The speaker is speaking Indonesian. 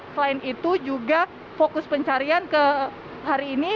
selain itu juga fokus pencarian ke hari ini